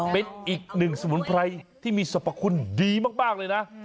เป็นอีกหนึ่งสมุนไพรที่มีสรรพคุณดีมากเลยนะ